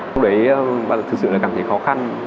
lúc đấy thực sự là cảm thấy khó khăn